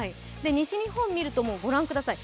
西日本見ると、ご覧ください